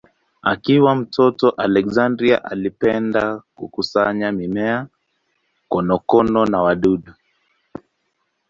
Akiwa mtoto Alexander alipenda kukusanya mimea, konokono na wadudu.